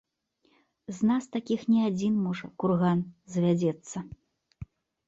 З нас такіх не адзін, можа, курган завядзецца.